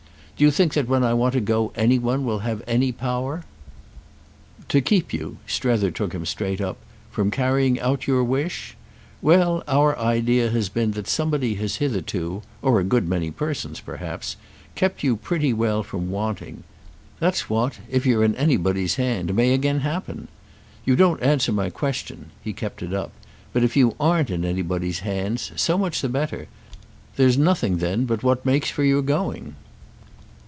Do you think that when I want to go any one will have any power—" "To keep you"—Strether took him straight up—"from carrying out your wish? Well, our idea has been that somebody has hitherto—or a good many persons perhaps—kept you pretty well from 'wanting.' That's what—if you're in anybody's hands—may again happen. You don't answer my question"—he kept it up; "but if you aren't in anybody's hands so much the better. There's nothing then but what makes for your going."